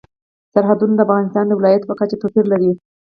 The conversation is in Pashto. سرحدونه د افغانستان د ولایاتو په کچه توپیر لري.